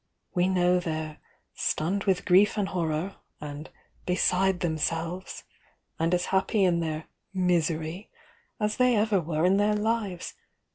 — we know they're 'stunned with grief and hoi )r' and 'beside themselves' and as happy in their 'niis ery' as they ever were in their lives.